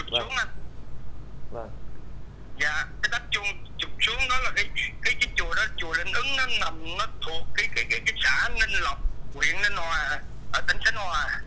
nguyện ninh hòa ở tỉnh sánh hòa